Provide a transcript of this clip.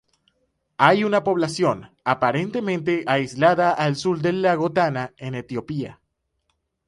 Hay una población aparentemente aislada al sur del lago Tana en Etiopía.